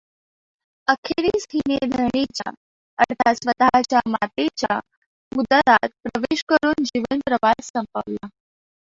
अखेरीस हिने धरणीच्या, अर्थात स्वतःच्या मातेच्या, उदरात प्रवेश करून जीवनप्रवास संपवला.